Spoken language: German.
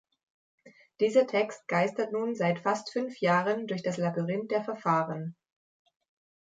Dieser Text geistert nun seit fast fünf Jahren durch das Labyrinth der Verfahren.